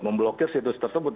memblokir situs tersebut